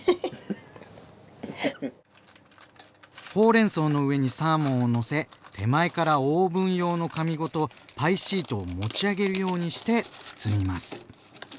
ほうれんそうの上にサーモンをのせ手前からオーブン用の紙ごとパイシートを持ち上げるようにして包みます。